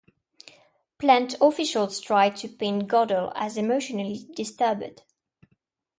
Plant officials try to paint Godell as emotionally disturbed.